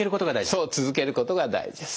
そう続けることが大事です。